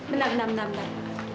bentar bentar bentar